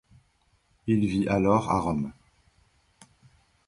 Il vit alors à Rome.